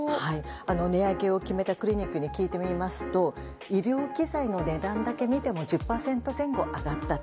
値上げを決めたクリニックに聞いてみますと医療器材の値段だけ見ても１０％前後上がったと。